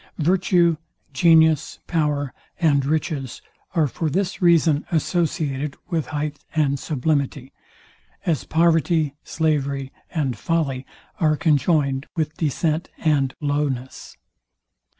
Virtue, genius, power, and riches are for this reason associated with height and sublimity; as poverty, slavery, and folly are conjoined with descent and lowness.